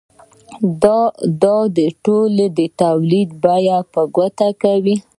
دا ټول د تولید بیه په ګوته کوي